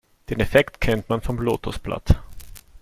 Den Effekt kennt man vom Lotosblatt.